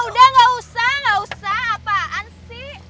udah gak usah gak usah apaan sih